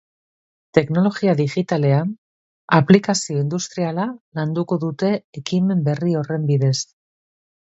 Teknologia digitalen aplikazio industriala landuko dute ekimen berri horren bidez.